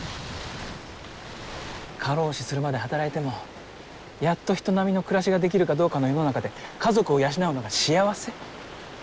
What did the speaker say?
過労死するまで働いてもやっと人並みの暮らしができるかどうかの世の中で家族を養うのが幸せ？